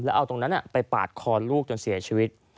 แล้วเอาตรงนั้นไปปาดคอลูกจนเสียชีวิต